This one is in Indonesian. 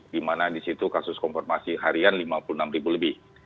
di mana di situ kasus konfirmasi harian lima puluh enam ribu lebih